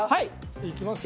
いきますよ